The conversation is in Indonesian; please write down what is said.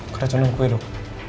kacau nunggu hidup